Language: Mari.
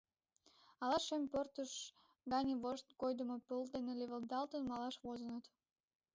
Ала шем портыш гане вошт койдымо пыл ден леведалтын малаш возыныт?